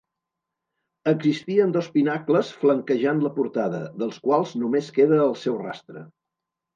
Existien dos pinacles flanquejant la portada, dels quals només queda el seu rastre.